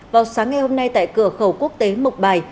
vào sáng ngày hôm nay tại cửa khẩu quốc tế mộc bài